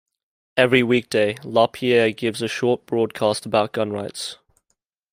Every weekday, LaPierre gives a short broadcast about gun rights.